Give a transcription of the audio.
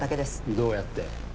どうやって？